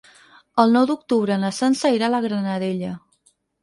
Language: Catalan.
El nou d'octubre na Sança irà a la Granadella.